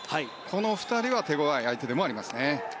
この２人は手ごわい相手でもありますね。